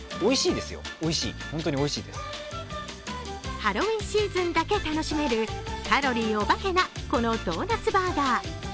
ハロウィーンシーズンだけ楽しめるカロリーおばけなこのドーナツバーガー。